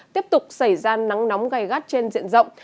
tiếp tục xảy ra nắng nóng gai gắt trên diện rộng